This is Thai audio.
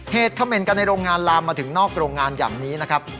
เขม่นกันในโรงงานลามมาถึงนอกโรงงานอย่างนี้นะครับ